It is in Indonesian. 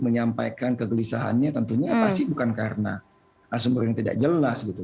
menyampaikan kegelisahannya tentunya pasti bukan karena sumber yang tidak jelas gitu